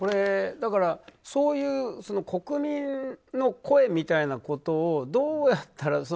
そういう国民の声みたいなことをどうやったら。